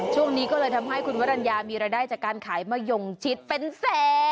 ช่วงนี้ก็เลยทำให้คุณวรรณยามีรายได้จากการขายมะยงชิดเป็นแสน